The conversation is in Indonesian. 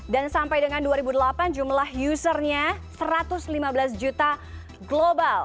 dan sampai dengan dua ribu delapan jumlah usernya satu ratus lima belas juta global